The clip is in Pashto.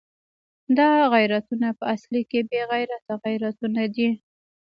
دا غیرتونه په اصل کې بې غیرته غیرتونه دي.